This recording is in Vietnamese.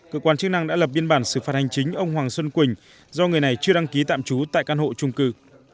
cơ quan chức năng đã lập biên bản xử phạt hành chính ông hoàng xuân quỳnh do người này chưa đăng ký tạm trú tại căn hộ trung cư